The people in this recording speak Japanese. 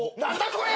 これ。